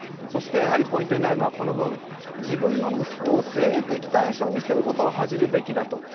そしてポイントになるのはこの部分自分の息子を性的対象にしていることを恥ずべきだと。